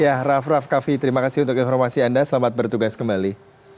ya raff raff kaffi terima kasih untuk informasi anda selamat bertugas kembali